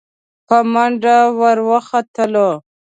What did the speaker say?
په منډه ور وختلو.